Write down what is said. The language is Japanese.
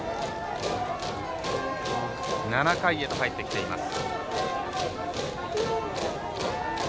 ７回へと入ってきています。